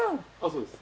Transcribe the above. そうです。